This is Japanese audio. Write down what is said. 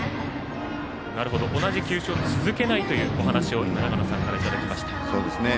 同じ球種を続けないというお話を今、長野さんからいただきました。